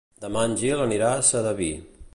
Demà en Gil anirà a Sedaví.